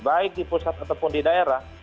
baik di pusat ataupun di daerah